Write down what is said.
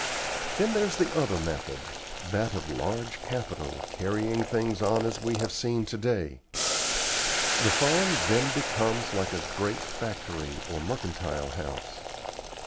Then there's the other method that of large capital carrying things on as we have seen to day. The farm then becomes like a great factory or mercantile house.